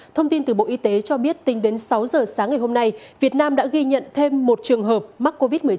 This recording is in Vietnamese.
thông tin từ bộ y tế cho biết tính đến sáu giờ sáng ngày hôm nay việt nam đã ghi nhận thêm một trường hợp mắc covid một mươi chín